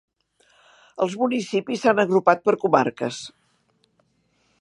Els municipis s'han agrupat per comarques.